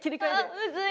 あむずい。